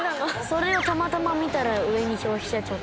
それをたまたま見たら上に「消費者庁」って。